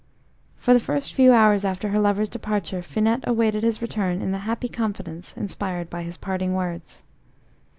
For the first few hours after her lover's departure Finette awaited his return in the happy confidence inspired by his parting words.